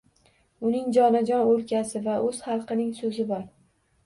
Uning jonajon o‘lkasi va o‘z xalqining so‘zi bor.